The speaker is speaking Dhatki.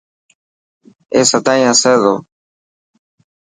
اي سداين هسي تو.